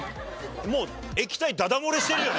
もう液体ダダ漏れしてるよね